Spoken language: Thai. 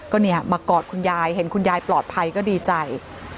ก็มากอดคุณยายเห็นคุณยายตมาให้ปลอดภัยก็ดีใจ